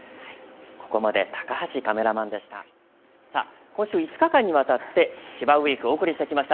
ここまで高橋カメラマンでした。